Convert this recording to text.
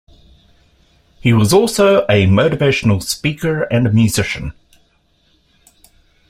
He was also a motivational speaker and a musician.